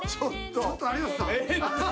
ちょっと有吉さん。